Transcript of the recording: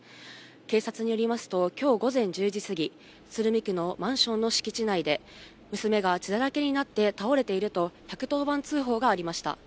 警察によりますと、きょう午前１０時過ぎ、鶴見区のマンションの敷地内で、娘が血だらけになって倒れていると、１１０番通報がありました。